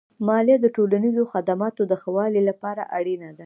مالیه د ټولنیزو خدماتو د ښه والي لپاره اړینه ده.